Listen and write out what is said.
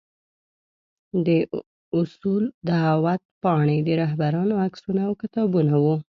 د اصول دعوت پاڼې، د رهبرانو عکسونه او کتابونه وو.